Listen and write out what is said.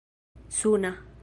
suna